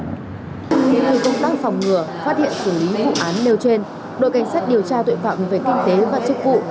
như công tác phòng ngừa phát hiện xử lý vụ án nêu trên đội cảnh sát điều tra tội phạm về kinh tế và chức vụ